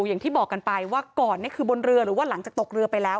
อย่างที่บอกกันไปว่าก่อนนี่คือบนเรือหรือว่าหลังจากตกเรือไปแล้ว